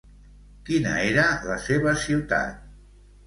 Quina era la seva ciutat?